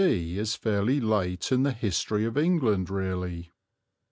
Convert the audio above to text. D. is fairly late in the history of England really.